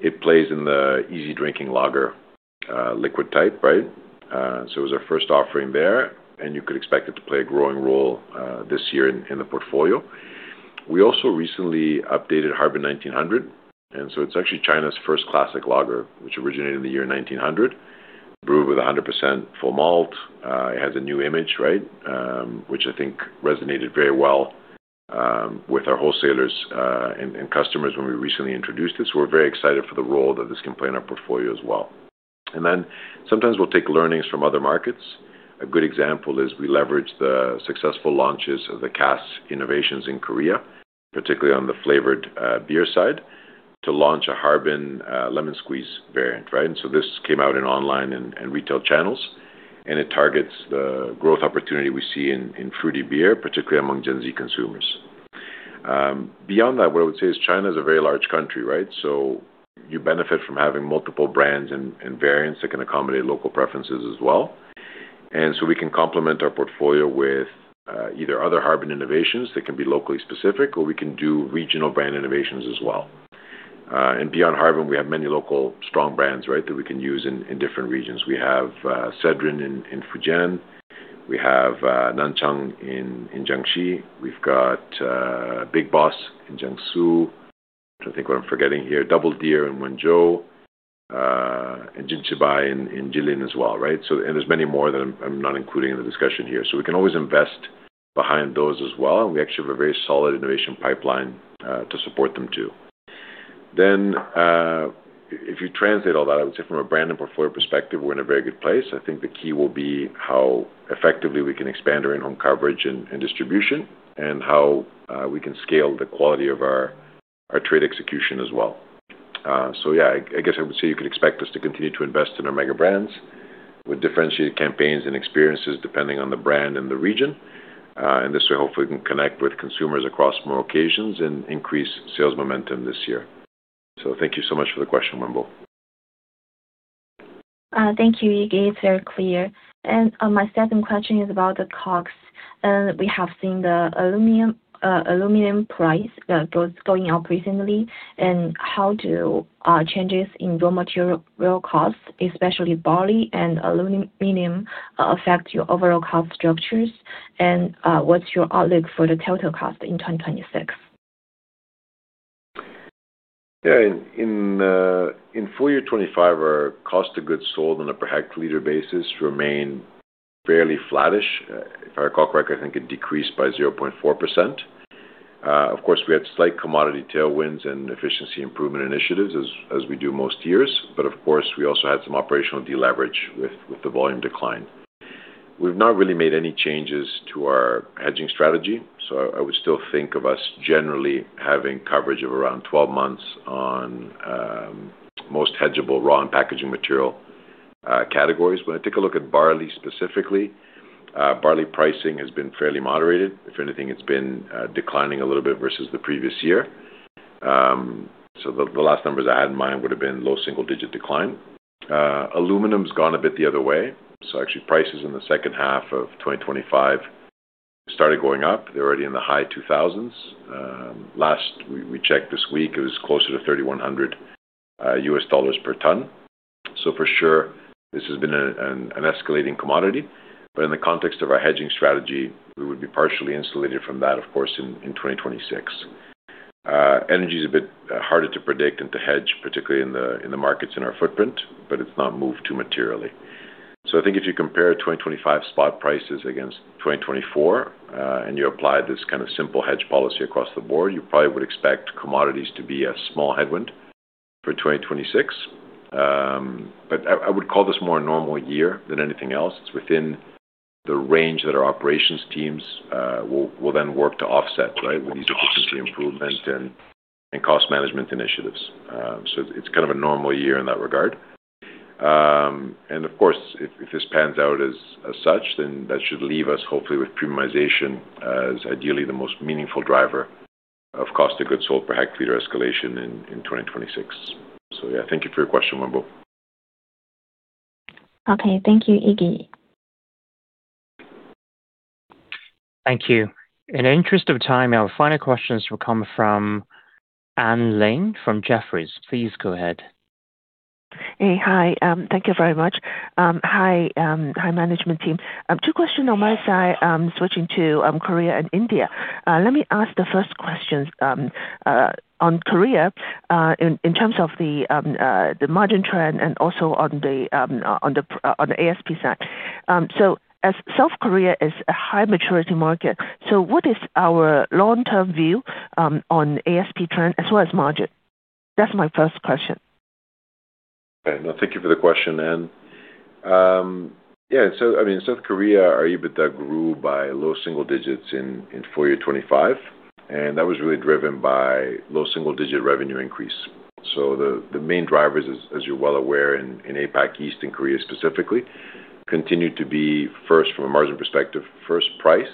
It plays in the easy drinking lager, liquid type, right? So it was our first offering there, and you could expect it to play a growing role, this year in the portfolio. We also recently updated Harbin 1900, and so it's actually China's first classic lager, which originated in the year 1900, brewed with 100% full malt. It has a new image, right, which I think resonated very well with our wholesalers and customers when we recently introduced this. We're very excited for the role that this can play in our portfolio as well. And then sometimes we'll take learnings from other markets. A good example is we leverage the successful launches of the Cass innovations in Korea, particularly on the flavored beer side, to launch a Harbin Lemon Squeeze variant, right? And so this came out in online and retail channels, and it targets the growth opportunity we see in fruity beer, particularly among Gen Z consumers. Beyond that, what I would say is China is a very large country, right? So you benefit from having multiple brands and variants that can accommodate local preferences as well. And so we can complement our portfolio with, either other Harbin innovations that can be locally specific, or we can do regional brand innovations as well. And beyond Harbin, we have many local strong brands, right, that we can use in, in different regions. We have, Sedrin in Fujian, we have, Nanchang in Jiangxi, we've got, Big Boss in Jiangsu. I think what I'm forgetting here, Double Deer in Wenzhou, and Jinshibai in Jilin as well, right? So, and there's many more that I'm, I'm not including in the discussion here. So we can always invest behind those as well, and we actually have a very solid innovation pipeline, to support them too.... Then, if you translate all that, I would say from a brand and portfolio perspective, we're in a very good place. I think the key will be how effectively we can expand our in-home coverage and distribution, and how we can scale the quality of our trade execution as well. So yeah, I guess I would say you could expect us to continue to invest in our mega brands with differentiated campaigns and experiences, depending on the brand and the region. And this way, hopefully, we can connect with consumers across more occasions and increase sales momentum this year. So thank you so much for the question, Wenbo. Thank you, Iggy. It's very clear. My second question is about the COGS. We have seen the aluminum price going up recently, and how do changes in raw material costs, especially barley and aluminum, affect your overall cost structures? And what's your outlook for the total cost in 2026? Yeah. In full year 2025, our cost of goods sold on a per hectoliter basis remained fairly flattish. If I recall correctly, I think it decreased by 0.4%. Of course, we had slight commodity tailwinds and efficiency improvement initiatives as we do most years. But of course, we also had some operational deleverage with the volume decline. We've not really made any changes to our hedging strategy, so I would still think of us generally having coverage of around 12 months on most hedgeable raw and packaging material categories. When I take a look at barley specifically, barley pricing has been fairly moderated. If anything, it's been declining a little bit versus the previous year. So the last numbers I had in mind would have been low single-digit decline. Aluminum's gone a bit the other way, so actually, prices in the second half of 2025 started going up. They're already in the high 2,000s. Last we checked this week, it was closer to $3,100 per ton. So for sure, this has been an escalating commodity. But in the context of our hedging strategy, we would be partially insulated from that, of course, in 2026. Energy is a bit harder to predict and to hedge, particularly in the markets, in our footprint, but it's not moved too materially. So I think if you compare 2025 spot prices against 2024, and you apply this kind of simple hedge policy across the board, you probably would expect commodities to be a small headwind for 2026. But I would call this more a normal year than anything else. It's within the range that our operations teams will then work to offset, right? With these efficiency improvement and cost management initiatives. So it's kind of a normal year in that regard. And of course, if this pans out as such, then that should leave us hopefully with premiumization as ideally the most meaningful driver of cost of goods sold per hectoliter escalation in 2026. So yeah, thank you for your question, Wenbo. Okay. Thank you, Iggy. Thank you. In the interest of time, our final questions will come from Anne Ling from Jefferies. Please go ahead. Hey, hi. Thank you very much. Hi, hi, management team. Two questions on my side, switching to Korea and India. Let me ask the first question on Korea, in terms of the margin trend and also on the ASP side. So as South Korea is a high maturity market, so what is our long-term view on ASP trend as well as margin? That's my first question. Okay. No, thank you for the question, Anne. Yeah, so I mean, South Korea, our EBITDA grew by low single digits in full year 2025, and that was really driven by low single-digit revenue increase. So the main drivers as you're well aware in APAC East and Korea specifically, continued to be first from a margin perspective, first price,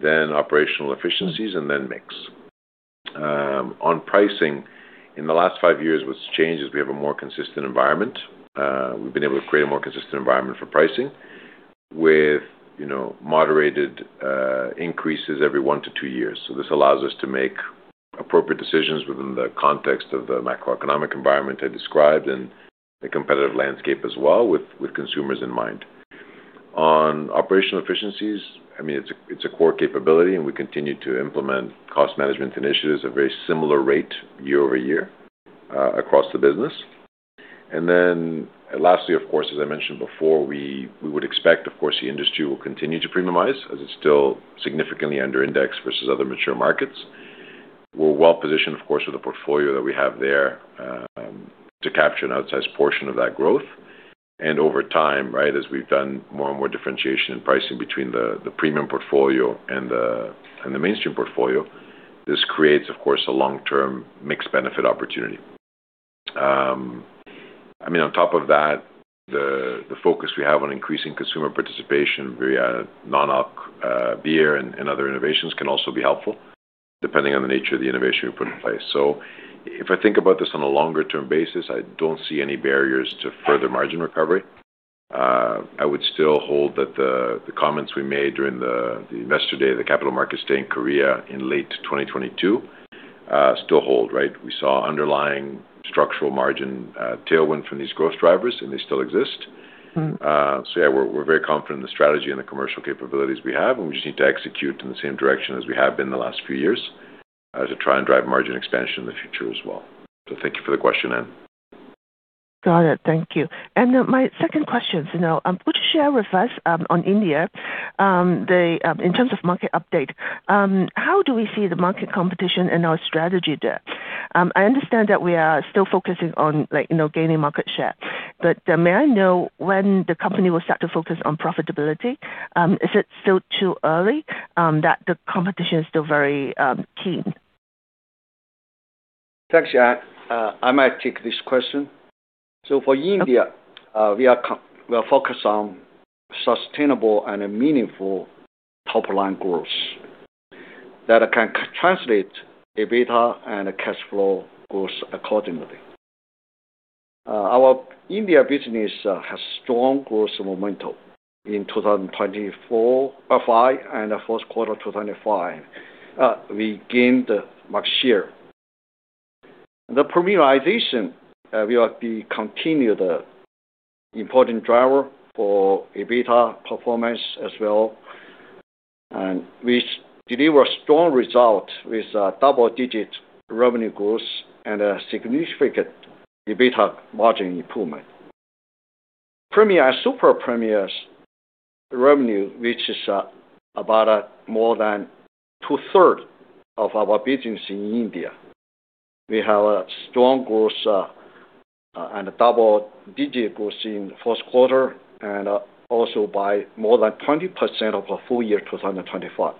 then operational efficiencies, and then mix. On pricing, in the last 5 years, what's changed is we have a more consistent environment. We've been able to create a more consistent environment for pricing with, you know, moderated increases every 1-2 years. So this allows us to make appropriate decisions within the context of the macroeconomic environment I described and the competitive landscape as well with consumers in mind. On operational efficiencies, I mean, it's a core capability, and we continue to implement cost management initiatives at a very similar rate year-over-year across the business. And then lastly, of course, as I mentioned before, we would expect, of course, the industry will continue to premiumize, as it's still significantly under index versus other mature markets. We're well positioned, of course, with the portfolio that we have there to capture an outsized portion of that growth. And over time, right, as we've done more and more differentiation in pricing between the premium portfolio and the mainstream portfolio, this creates, of course, a long-term mixed benefit opportunity. I mean, on top of that, the focus we have on increasing consumer participation via non-alc beer and other innovations can also be helpful, depending on the nature of the innovation we put in place. So if I think about this on a longer-term basis, I don't see any barriers to further margin recovery. I would still hold that the comments we made during the Investor Day, the Capital Markets Day in Korea in late 2022 still hold, right? We saw underlying structural margin tailwind from these growth drivers, and they still exist. So yeah, we're very confident in the strategy and the commercial capabilities we have, and we just need to execute in the same direction as we have been the last few years to try and drive margin expansion in the future as well. Thank you for the question, Anne. Got it. Thank you. My second question is, you know, would you share with us, on India, in terms of market update, how do we see the market competition and our strategy there? I understand that we are still focusing on, like, you know, gaining market share, but, may I know when the company will start to focus on profitability? Is it still too early, that the competition is still very keen? Thanks, yeah. I might take this question. So for India, we are focused on sustainable and meaningful top-line growth that can translate EBITDA and cash flow growth accordingly. Our India business has strong growth momentum. In 2024 and 2025 and the first quarter 2025, we gained market share. The premiumization will be continued, important driver for EBITDA performance as well, and which deliver strong results with double-digit revenue growth and a significant EBITDA margin improvement. Premium and Super Premium revenue, which is about more than two-thirds of our business in India. We have a strong growth and a double-digit growth in the first quarter, and also by more than 20% for the full year 2025.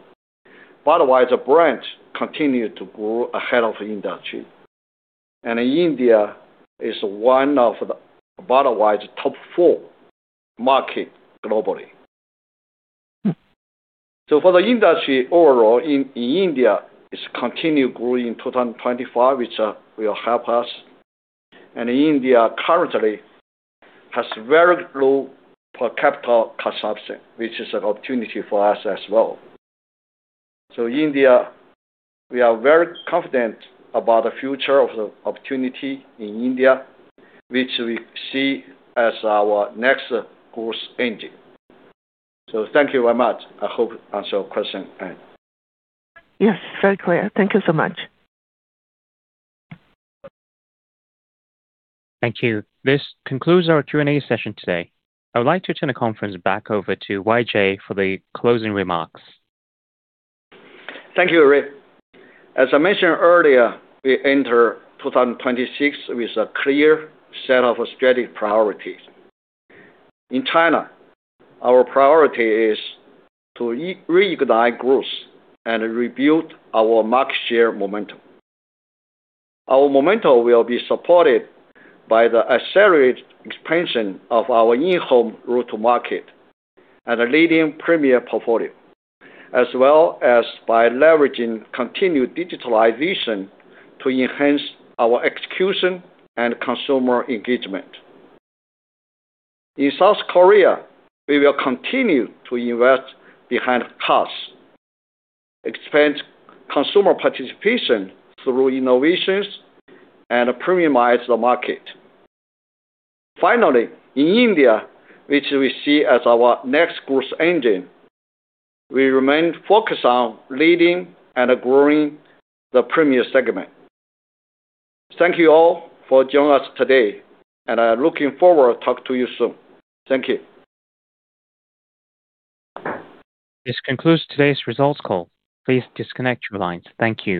Otherwise, the brand continued to grow ahead of industry, and India is one of the Budweiser top four market globally. So for the industry overall, in India, it's continued growing in 2025, which will help us. And India currently has very low per capita consumption, which is an opportunity for us as well. So India, we are very confident about the future of the opportunity in India, which we see as our next growth engine. So thank you very much. I hope I answered your question, and- Yes, very clear. Thank you so much. Thank you. This concludes our Q&A session today. I would like to turn the conference back over to YJ for the closing remarks. Thank you, Ray. As I mentioned earlier, we enter 2026 with a clear set of strategic priorities. In China, our priority is to reignite growth and rebuild our market share momentum. Our momentum will be supported by the accelerated expansion of our in-home route to market and a leading premium portfolio, as well as by leveraging continued digitalization to enhance our execution and consumer engagement. In South Korea, we will continue to invest behind Cass, expand consumer participation through innovations, and premiumize the market. Finally, in India, which we see as our next growth engine, we remain focused on leading and growing the premium segment. Thank you all for joining us today, and I looking forward to talk to you soon. Thank you. This concludes today's results call. Please disconnect your lines. Thank you.